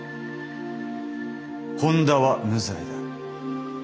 本田は無罪だ。